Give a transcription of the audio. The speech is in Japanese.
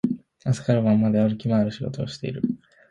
朝から晩まで歩き回る仕事をしている